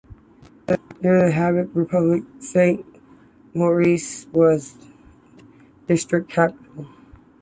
During the Helvetic Republic Saint-Maurice was a District capital.